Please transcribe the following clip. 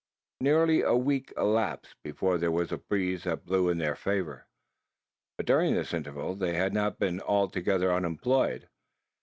Nearly a week elapsed, before there was a breeze that blew in their favour; but during this interval, they had not been altogether unemployed.